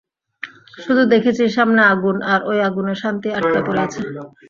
শুধু দেখছি, সামনে আগুন, আর ঐ আগুনে শান্তি আটকা পরে আছে।